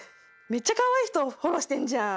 めっちゃかわいい人フォローしてんじゃん。